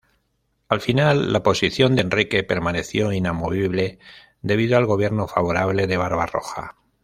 Al final, la posición de Enrique permaneció inamovible, debido al gobierno favorable de Barbarroja.